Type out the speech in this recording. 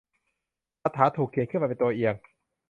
คาถาถูกเขียนขึ้นมาเป็นตัวเอียง